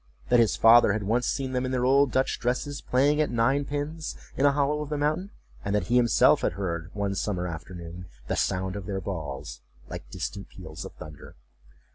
That his father had once seen them in their old Dutch dresses playing at nine pins in a hollow of the mountain; and that he himself had heard, one summer afternoon, the sound of their balls, like distant peals of thunder.